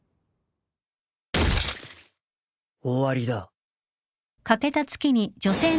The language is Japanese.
終わりだ。